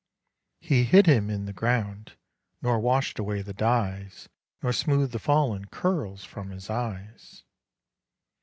He hid him in the ground, Nor washed away the dyes, Nor smoothed the fallen curls From his eyes.